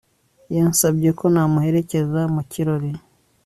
yansabye ko namuherekeza mu kirori